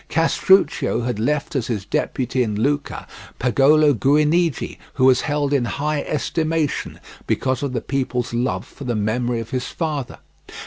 Castruccio had left as his deputy in Lucca, Pagolo Guinigi, who was held in high estimation, because of the people's love for the memory of his father.